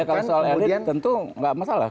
ya karena soal elit tentu tidak masalah